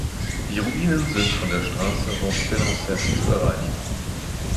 Die Ruinen sind von der Straße Ventspils–Ances zu erreichen.